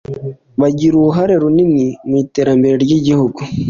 bagira uruhare runini mu iterambere ry’igihugu.